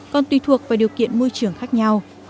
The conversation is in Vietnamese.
còn tùy thuộc vào điều kiện môi trường khác nhau